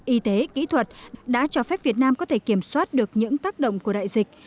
y tế kỹ thuật đã cho phép việt nam có thể kiểm soát được những tác động của đại dịch